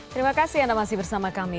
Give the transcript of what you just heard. terima kasih anda masih bersama kami